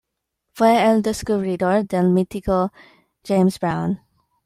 Fue el descubridor del mítico James Brown.